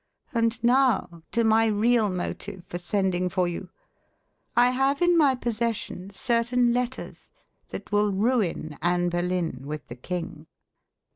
And now to my real motive for sending for you. I have in my possession certain letters, that will ruin Anne Boleyn with the king."